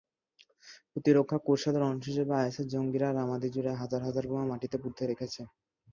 প্রতিরক্ষা কৌশলের অংশ হিসেবে আইএসের জঙ্গিরা রামাদিজুড়ে হাজার হাজার বোমা মাটিতে পুঁতে রেখেছে।